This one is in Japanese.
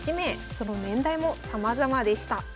その年代もさまざまでした。